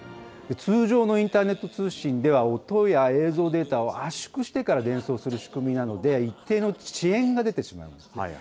通常のインターネット通信では、音や映像データを圧縮してから伝送する仕組みなので、一定の遅延が出てしまうんですね。